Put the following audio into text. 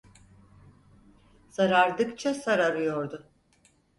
Sarardıkça sararıyordu.